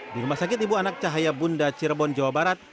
di rumah sakit ibu anak cahaya bunda cirebon jawa barat